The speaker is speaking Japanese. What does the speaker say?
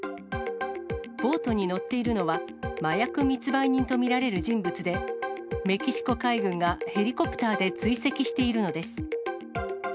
ボートに乗っているのは、麻薬密売人と見られる人物で、メキシコ海軍がヘリコプターで追跡しているのです。